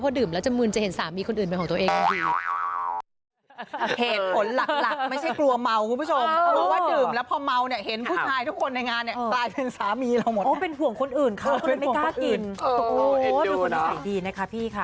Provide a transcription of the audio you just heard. ดื่มแล้วจะมืนจะเห็นสามีคนอื่นเป็นของตัวเอง